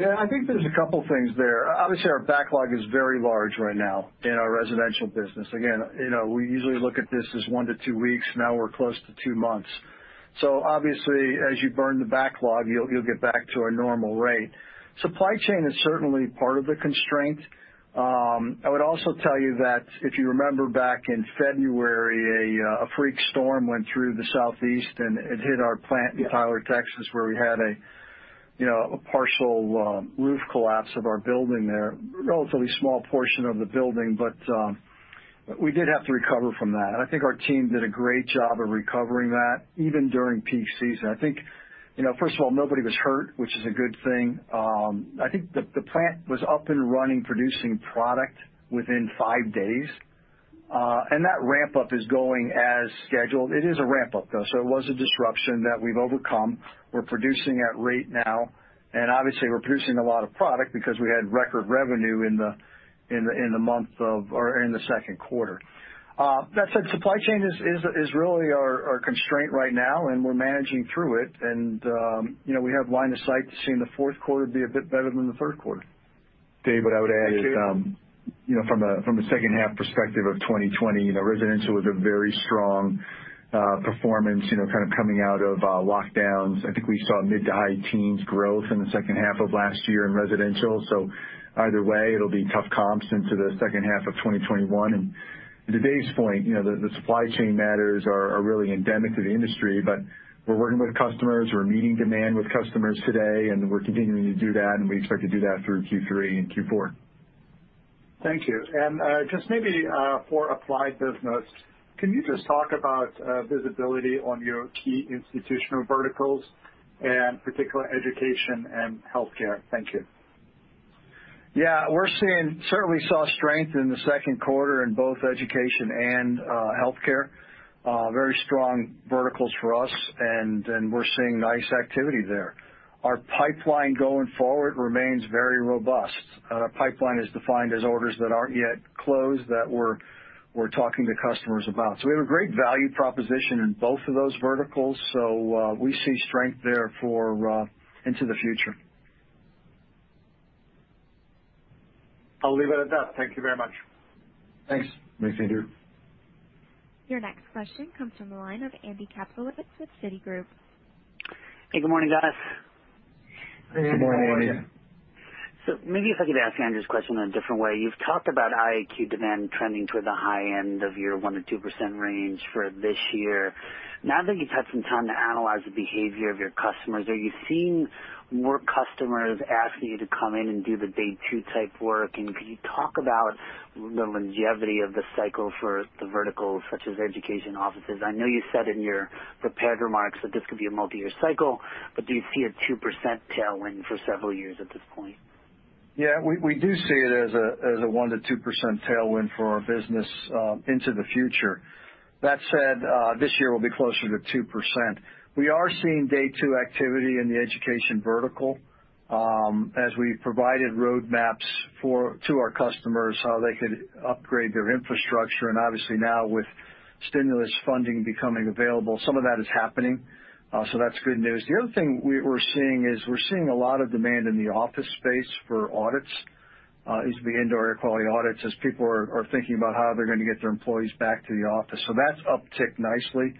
Yeah, I think there's a couple of things there. Obviously, our backlog is very large right now in our residential business. Again, we usually look at this as one to two weeks. Now we're close to two months. Obviously, as you burn the backlog, you'll get back to a normal rate. Supply chain is certainly part of the constraint. I would also tell you that if you remember back in February, a freak storm went through the Southeast, and it hit our plant in Tyler, Texas, where we had a partial roof collapse of our building there. Relatively small portion of the building, but we did have to recover from that. I think our team did a great job of recovering that even during peak season. First of all, nobody was hurt, which is a good thing. I think the plant was up and running, producing product within five days. That ramp up is going as scheduled. It is a ramp up, though, so it was a disruption that we've overcome. We're producing at rate now, and obviously we're producing a lot of product because we had record revenue in the second quarter. That said, supply chain is really our constraint right now, and we're managing through it. We have line of sight to seeing the fourth quarter be a bit better than the third quarter. Dave, what I would add is, from a second half perspective of 2020, residential was a very strong performance, kind of coming out of lockdowns. I think we saw mid to high teens growth in the second half of last year in residential. Either way, it'll be tough comps into the second half of 2021. To Dave's point, the supply chain matters are really endemic to the industry. We're working with customers, we're meeting demand with customers today, and we're continuing to do that, and we expect to do that through Q3 and Q4. Thank you. just maybe for Applied business, can you just talk about visibility on your key institutional verticals and particular education and healthcare? Thank you. Yeah. We certainly saw strength in the second quarter in both education and healthcare. Very strong verticals for us, and we're seeing nice activity there. Our pipeline going forward remains very robust. Our pipeline is defined as orders that aren't yet closed that we're talking to customers about. We have a great value proposition in both of those verticals. We see strength there into the future. I'll leave it at that. Thank you very much. Thanks. Thanks, Andrew. Your next question comes from the line of Andy Kaplowitz with Citigroup. Hey, good morning, guys. Good morning, how are you? Hey, Andy. Maybe if I could ask Andrew's question in a different way. You've talked about IAQ demand trending toward the high end of your 1%-2% range for this year. Now that you've had some time to analyze the behavior of your customers, are you seeing more customers asking you to come in and do the day two type work? Could you talk about the longevity of the cycle for the verticals such as education offices? I know you said in your prepared remarks that this could be a multi-year cycle, but do you see a 2% tailwind for several years at this point? We do see it as a 1%-2% tailwind for our business into the future. That said, this year will be closer to 2%. We are seeing day two activity in the education vertical. As we've provided roadmaps to our customers how they could upgrade their infrastructure, and obviously now with stimulus funding becoming available, some of that is happening. That's good news. The other thing we're seeing is we're seeing a lot of demand in the office space for audits, is the indoor air quality audits, as people are thinking about how they're going to get their employees back to the office. That's upticked nicely.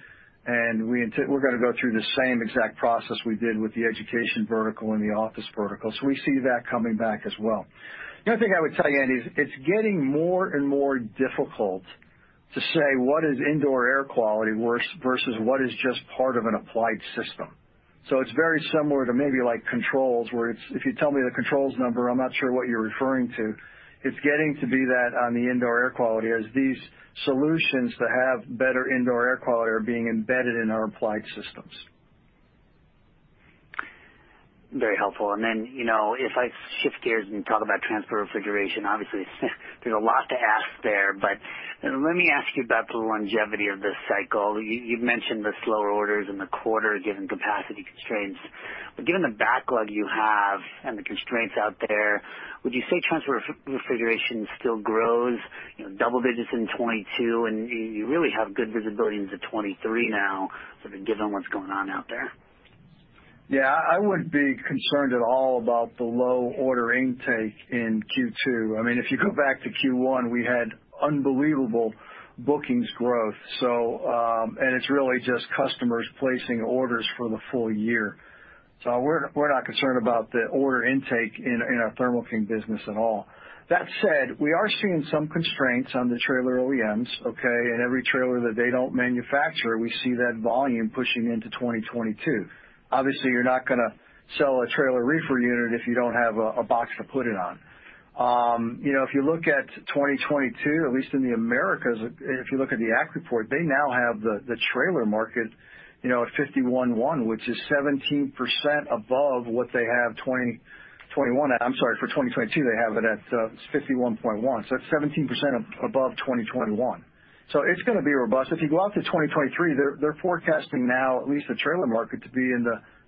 We're going to go through the same exact process we did with the education vertical and the office vertical. We see that coming back as well. The other thing I would tell you, Andy, is it's getting more and more difficult to say what is indoor air quality versus what is just part of an applied system. It's very similar to maybe controls, where if you tell me the controls number, I'm not sure what you're referring to. It's getting to be that on the indoor air quality as these solutions that have better indoor air quality are being embedded in our applied systems. Very helpful. Then, if I shift gears and talk about transport refrigeration, obviously there's a lot to ask there, but let me ask you about the longevity of this cycle. You've mentioned the slower orders in the quarter, given capacity constraints. Given the backlog you have and the constraints out there, would you say transport refrigeration still grows double digits in 2022, and you really have good visibility into 2023 now, sort of given what's going on out there? Yeah, I wouldn't be concerned at all about the low order intake in Q2. If you go back to Q1, we had unbelievable bookings growth. It's really just customers placing orders for the full year. We're not concerned about the order intake in our Thermo King business at all. That said, we are seeing some constraints on the trailer OEMs. Okay. Every trailer that they don't manufacture, we see that volume pushing into 2022. Obviously, you're not going to sell a trailer reefer unit if you don't have a box to put it on. If you look at 2022, at least in the Americas, if you look at the ACT report, they now have the trailer market at 51.1, which is 17% above what they have 2021. I'm sorry, for 2022, they have it at 51.1, so that's 17% above 2021. It's going to be robust. If you go out to 2023, they're forecasting now at least the trailer market to be in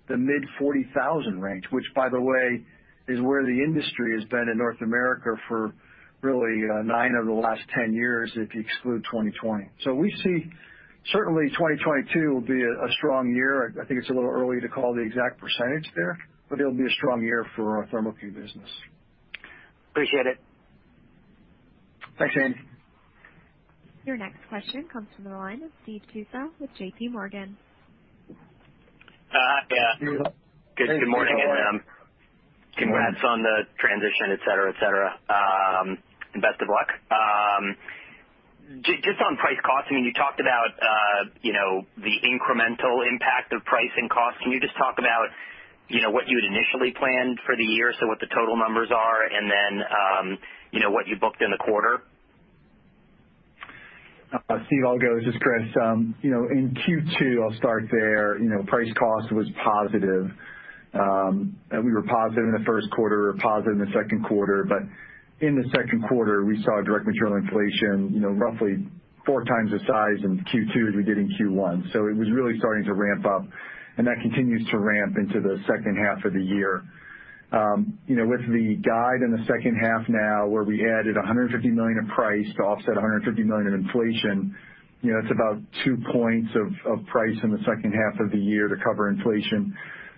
the mid 40,000 range, which by the way, is where the industry has been in North America for really nine of the last 10 years if you exclude 2020. We see certainly 2022 will be a strong year. I think it's a little early to call the exact percentage there, but it'll be a strong year for our Thermo King business. Appreciate it. Thanks, Andy. Your next question comes from the line of Steve Tusa with JPMorgan. Yeah. Good morning, congrats on the transition, et cetera. Best of luck. Just on price costing, you talked about the incremental impact of price and cost. Can you just talk about what you had initially planned for the year, so what the total numbers are, and then what you booked in the quarter? Steve, I'll go. This is Chris. In Q2, I'll start there, price cost was positive. We were positive in the first quarter, we were positive in the second quarter, but in the second quarter, we saw direct material inflation roughly four times the size in Q2 as we did in Q1. It was really starting to ramp up, and that continues to ramp into the second half of the year. With the guide in the second half now, where we added $150 million of price to offset $150 million in inflation, it's about 2 points of price in the second half of the year to cover inflation.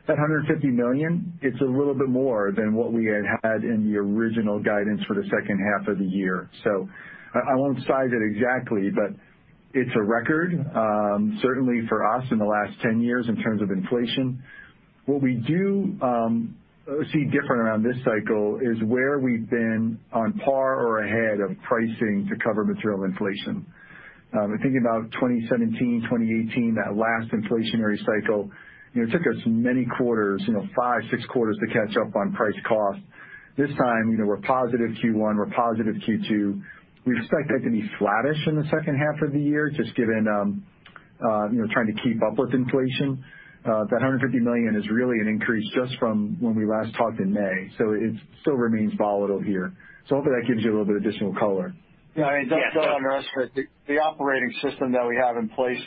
That $150 million, it's a little bit more than what we had had in the original guidance for the second half of the year. I won't size it exactly, but it's a record, certainly for us in the last 10 years in terms of inflation. What we do see different around this cycle is where we've been on par or ahead of pricing to cover material inflation. Thinking about 2017, 2018, that last inflationary cycle, it took us many quarters, five, six quarters to catch up on price cost. This time, we're positive Q1, we're positive Q2. We expect that to be flattish in the second half of the year, just given trying to keep up with inflation. That $150 million is really an increase just from when we last talked in May, it still remains volatile here. Hopefully that gives you a little bit of additional color. Yeah. Don't underestimate the operating system that we have in place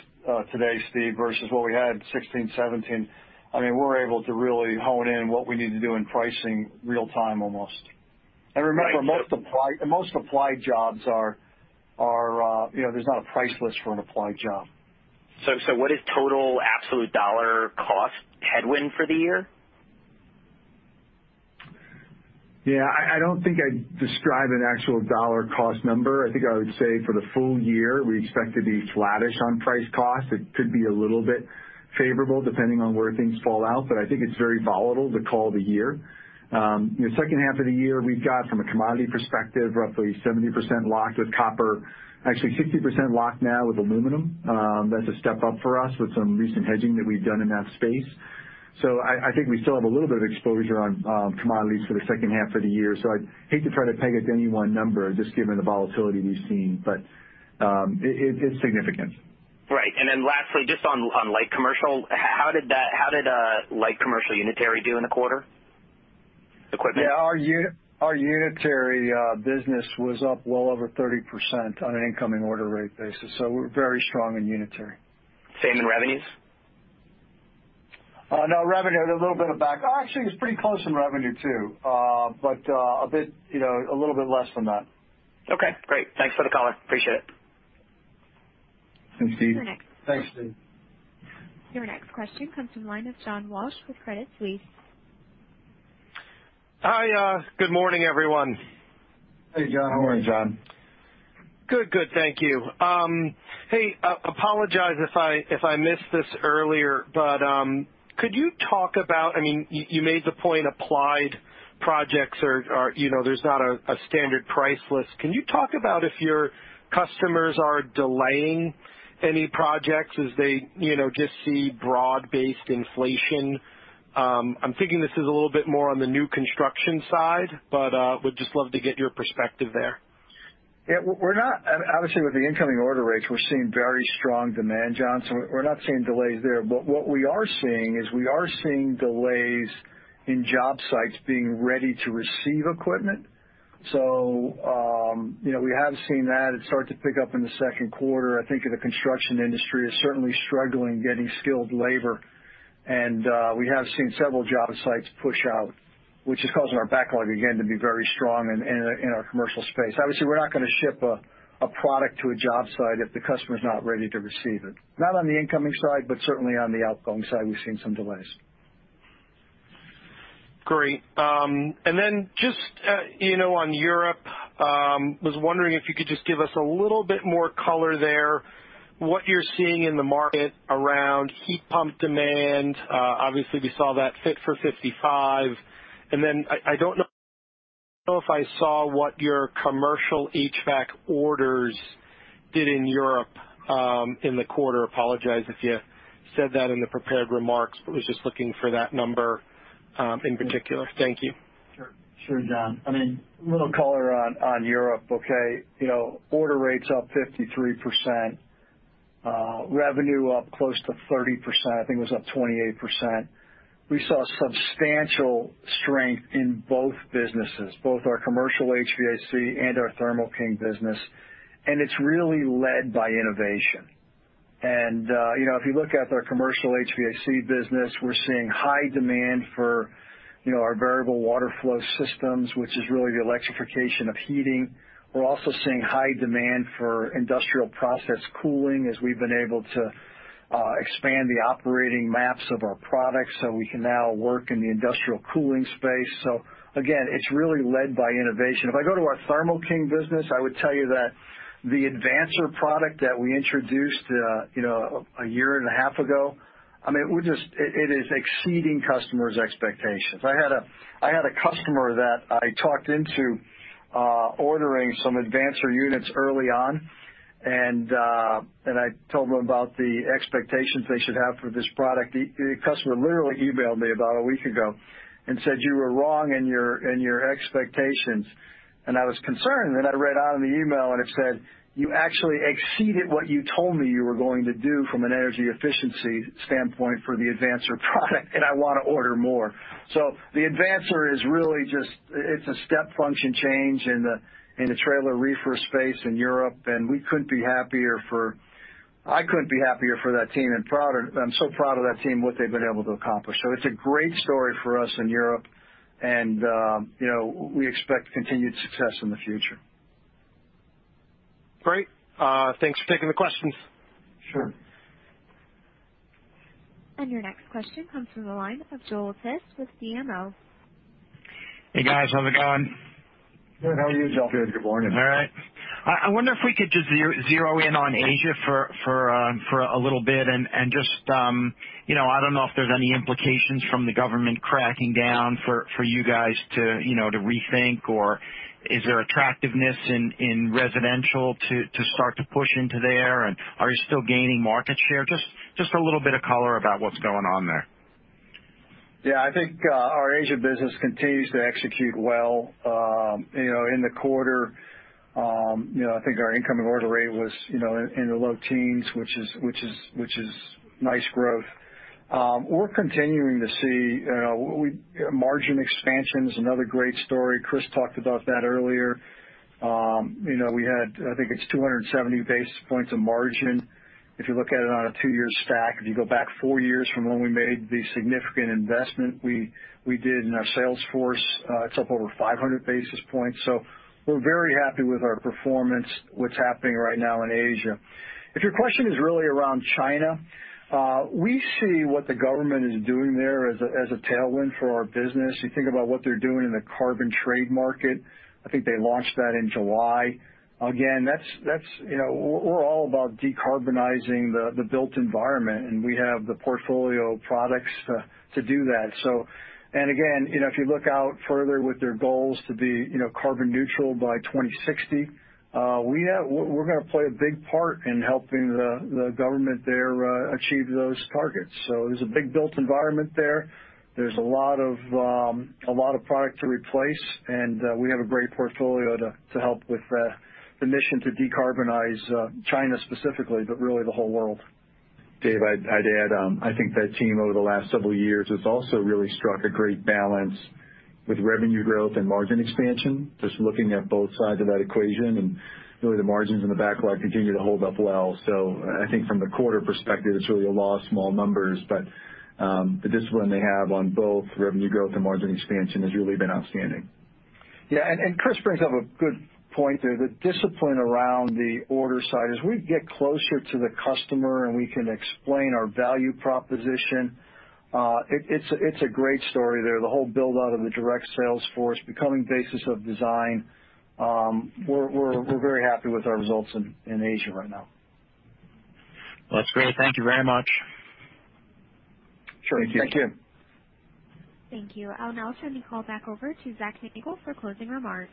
today, Steve, versus what we had 2016, 2017. We're able to really hone in what we need to do in pricing real time almost. Remember, most applied jobs, there's not a price list for an applied job. What is total absolute dollar cost headwind for the year? I don't think I'd describe an actual dollar cost number. I think I would say for the full year, we expect to be flattish on price cost. It could be a little bit favorable depending on where things fall out, but I think it's very volatile to call the year. The second half of the year, we've got, from a commodity perspective, roughly 70% locked with copper. 60% locked now with aluminum. That's a step up for us with some recent hedging that we've done in that space. I think we still have a little bit of exposure on commodities for the second half of the year. I'd hate to try to peg it to any one number just given the volatility we've seen, but it's significant. Right. Then lastly, just on light commercial, how did light commercial unitary do in the quarter? Equipment. Yeah. Our unitary business was up well over 30% on an incoming order rate basis. We're very strong in unitary. Same in revenues? No. Actually, it's pretty close in revenue too. A little bit less than that. Okay, great. Thanks for the color. Appreciate it. Thanks, Steve. Thanks, Steve. Your next question comes from the line of John Walsh with Credit Suisse. Hi. Good morning, everyone. Hey, John. How are you, John? Good. Thank you. Hey, apologize if I missed this earlier, but could you talk about, you made the point applied projects, there's not a standard price list. Can you talk about if your customers are delaying any projects as they just see broad-based inflation? I'm thinking this is a little bit more on the new construction side, but would just love to get your perspective there. Yeah. Obviously, with the incoming order rates, we're seeing very strong demand, John, so we're not seeing delays there. What we are seeing is we are seeing delays in job sites being ready to receive equipment. We have seen that. It started to pick up in the second quarter. I think the construction industry is certainly struggling getting skilled labor, and we have seen several job sites push out, which is causing our backlog again to be very strong in our commercial space. Obviously, we're not going to ship a product to a job site if the customer's not ready to receive it. Not on the incoming side, but certainly on the outgoing side, we've seen some delays. Great. Just on Europe, was wondering if you could just give us a little bit more color there, what you're seeing in the market around heat pump demand. Obviously we saw that Fit for 55. I don't know if I saw what your commercial HVAC orders did in Europe in the quarter. Apologize if you said that in the prepared remarks. Was just looking for that number in particular. Thank you. Sure, John. A little color on Europe. Order rates up 53%, revenue up close to 30%. I think it was up 28%. We saw substantial strength in both businesses, both our commercial HVAC and our Thermo King business. It's really led by innovation. If you look at our commercial HVAC business, we're seeing high demand for our variable water flow systems, which is really the electrification of heating. We're also seeing high demand for industrial process cooling as we've been able to expand the operating maps of our products so we can now work in the industrial cooling space. Again, it's really led by innovation. If I go to our Thermo King business, I would tell you that the Advancer product that we introduced a year and a half ago. It is exceeding customers' expectations. I had a customer that I talked into ordering some Advancer units early on, and I told them about the expectations they should have for this product. The customer literally emailed me about a week ago and said, "You were wrong in your expectations." I was concerned. Then I read on in the email, and it said, "You actually exceeded what you told me you were going to do from an energy efficiency standpoint for the Advancer product, and I want to order more." The Advancer is a step function change in the trailer reefer space in Europe, and I couldn't be happier for that team, and I'm so proud of that team, what they've been able to accomplish. It's a great story for us in Europe, and we expect continued success in the future. Great. Thanks for taking the questions. Sure. Your next question comes from the line of Joel Tiss with BMO. Hey, guys. How's it going? Good. How are you, Joel? Good morning. All right. I wonder if we could just zero in on Asia for a little bit. I don't know if there's any implications from the government cracking down for you guys to rethink, or is there attractiveness in residential to start to push into there? Are you still gaining market share? Just a little bit of color about what's going on there. Yeah, I think our Asia business continues to execute well. In the quarter, I think our incoming order rate was in the low teens, which is nice growth. We're continuing to see margin expansion is another great story. Chris talked about that earlier. We had, I think it's 270 basis points of margin. If you look at it on a two-year stack, if you go back four years from when we made the significant investment we did in our sales force, it's up over 500 basis points. We're very happy with our performance, what's happening right now in Asia. If your question is really around China, we see what the government is doing there as a tailwind for our business. You think about what they're doing in the carbon trade market. I think they launched that in July. Again, we're all about decarbonizing the built environment, and we have the portfolio of products to do that. Again, if you look out further with their goals to be carbon neutral by 2060, we're going to play a big part in helping the government there achieve those targets. There's a big built environment there. There's a lot of product to replace, and we have a great portfolio to help with the mission to decarbonize China specifically, but really the whole world. Dave, I'd add, I think that team over the last several years has also really struck a great balance with revenue growth and margin expansion, just looking at both sides of that equation, and really the margins in the backlog continue to hold up well. I think from the quarter perspective, it's really a law of small numbers. The discipline they have on both revenue growth and margin expansion has really been outstanding. Yeah, Chris brings up a good point there. The discipline around the order side. As we get closer to the customer, and we can explain our value proposition, it's a great story there, the whole build out of the direct sales force, becoming basis of design. We're very happy with our results in Asia right now. That's great. Thank you very much. Sure. Thank you. Thank you. Thank you. I'll now turn the call back over to Zac Nagle for closing remarks.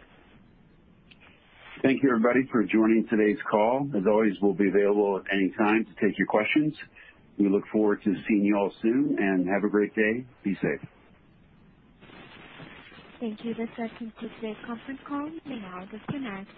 Thank you, everybody, for joining today's call. As always, we'll be available at any time to take your questions. We look forward to seeing you all soon, and have a great day. Be safe. Thank you. This ends today's conference call. You may now disconnect.